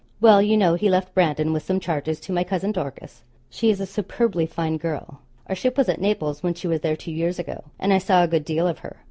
Well, you know he left Brandon with some charges to my Cousin Dorcas. She is a superbly fine girl. Our ship was at Naples when she was there two years ago; and I saw a good deal of her.